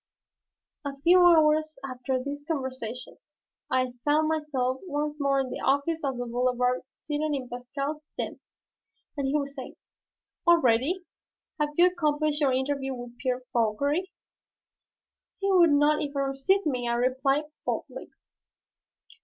A few hours after this conversation, I found myself once more in the office of the Boulevard, seated in Pascal's den, and he was saying, "Already? Have you accomplished your interview with Pierre Fauchery?" "He would not even receive me," I replied, boldly.